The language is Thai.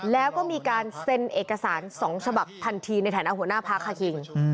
แล้วก็มีการเซ็นเอกสาร๒ฉบับทันทีในฐานะหัวหน้าพักค่ะคิง